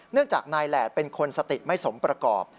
เนื่องจากนายแหลดเป็นคนสติไม่สมประกอบ